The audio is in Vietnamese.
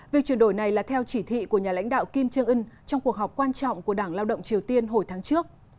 việc chuyển đổi này là theo chỉ thị của nhà lãnh đạo kim trương ưn trong cuộc họp quan trọng của đảng lao động triều tiên hồi tháng trước